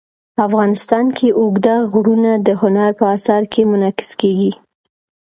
افغانستان کې اوږده غرونه د هنر په اثار کې منعکس کېږي.